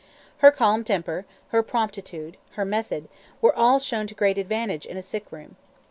Her calm temper, her promptitude, her method, were all shown to great advantage in a sick room.